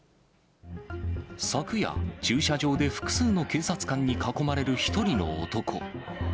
昨夜、駐車場で複数の警察官に囲まれる１人の男。